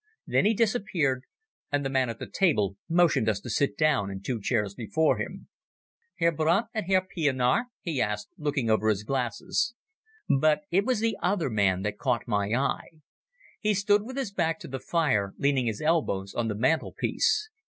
Then he disappeared, and the man at the table motioned us to sit down in two chairs before him. "Herr Brandt and Herr Pienaar?" he asked, looking over his glasses. But it was the other man that caught my eye. He stood with his back to the fire leaning his elbows on the mantelpiece.